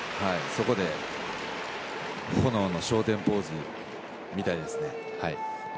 そこで炎の昇天ポーズを見たいですね。